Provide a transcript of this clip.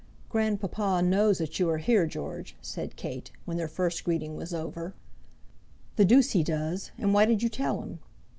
"Grandpapa knows that you are here, George," said Kate, when their first greeting was over. "The deuce he does! and why did you tell him?"